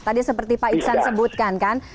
tadi seperti pak iksan sebutkan kan